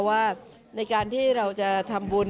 ว่าในการที่เราจะทำบุญ